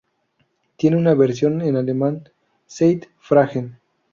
Tiene una versión en alemán, "Zeit-Fragen".